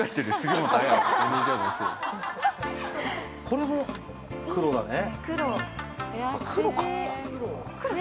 これも、黒だね。